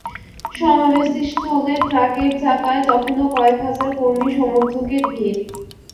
সমাবেশস্থলে ট্রাকের চারপাশে তখনো কয়েক হাজার কর্মী সমর্থকের ভিড়।